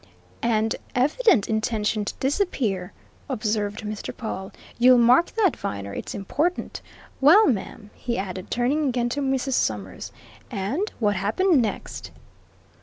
"And evident intention to disappear!" observed Mr. Pawle. "You'll mark that, Viner it's important. Well, ma'am," he added, turning again to Mrs. Summers. "And what happened next?"